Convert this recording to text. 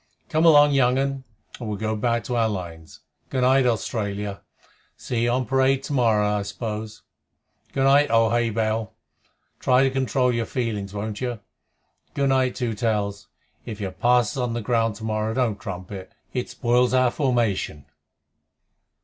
Come along, young un, and we'll go back to our lines. Good night, Australia! See you on parade to morrow, I suppose. Good night, old Hay bale! try to control your feelings, won't you? Good night, Two Tails! If you pass us on the ground tomorrow, don't trumpet. It spoils our formation."